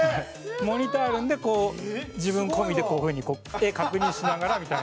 モニターがあるんで、自分込みでこういう風に撮って確認しながらみたいな。